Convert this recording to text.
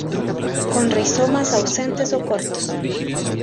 Con rizomas ausentes o cortos.